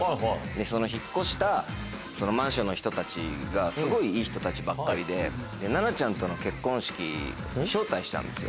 その引っ越したそのマンションの人たちが、すごいいい人たちばっかりで、菜奈ちゃんとの結婚式に招待したんですよ。